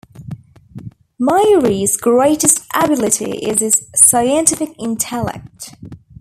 Mayuri's greatest ability is his scientific intellect.